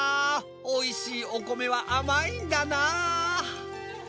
おいしいお米は甘いんだなぁ。